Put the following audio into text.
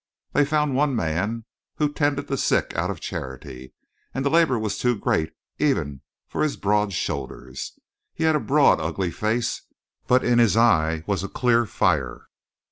They found one man who tended the sick out of charity and the labor was too great for even his broad shoulders. He had a broad, ugly face, but in his eye was a clear fire.